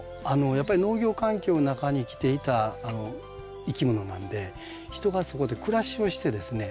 やっぱり農業環境の中に生きていたいきものなので人がそこで暮らしをしてですね